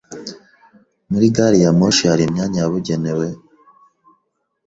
Muri gari ya moshi hari imyanya yabugenewe?